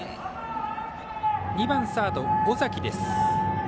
２番サード尾崎です。